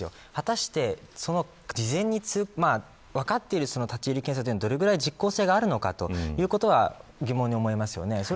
果たして事前に分かっている立ち入り検査というのに、どれくらい実効性があるのかということは疑問に思います。